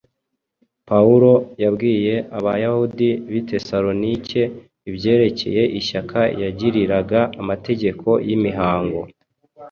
Pawulo yabwiye Abayahudi b’i Tesalonike ibyerekeye ishyaka yagiriraga amategeko y’imihango